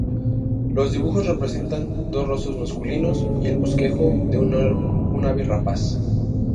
Los dibujos representan dos rostros masculinos y el bosquejo de un ave rapaz.